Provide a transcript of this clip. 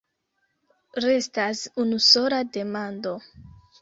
Restas unusola demando.